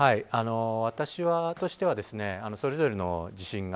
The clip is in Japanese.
私としてはそれぞれの地震が